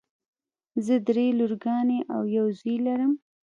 زه دری لورګانې او یو زوی لرم.